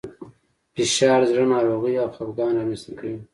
فشار د زړه ناروغۍ او خپګان رامنځ ته کوي.